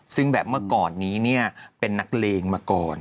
ซึ่งแบบเมื่อก่อนนี้เนี่ยเป็นนักเลงมาก่อน